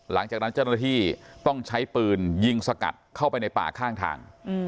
หลังจากนั้นเจ้าหน้าที่ต้องใช้ปืนยิงสกัดเข้าไปในป่าข้างทาง